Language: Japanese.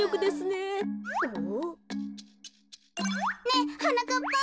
ねえはなかっぱ！